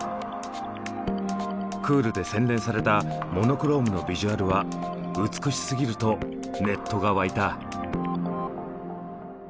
クールで洗練されたモノクロームのビジュアルは「美しすぎる」とネットが沸いた。